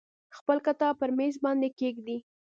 خپل کتاب پر میز باندې کیږدئ.